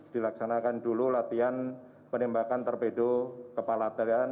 dilaksanakan dulu latihan penembakan terbedo kepala teriakan